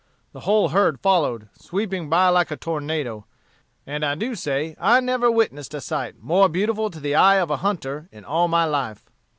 The whole herd followed, sweeping by like a tornado. And I do say I never witnessed a sight more beautiful to the eye of a hunter in all my life."